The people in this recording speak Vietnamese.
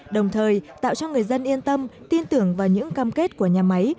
đồng thời tạo cho người dân yên tâm tin tưởng vào những cam kết của nhà máy